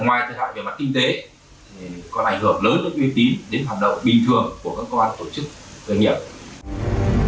ngoài thời hạn về mặt kinh tế còn ảnh hưởng lớn rất uy tín đến hoạt động bình thường của các cơ quan tổ chức doanh nghiệp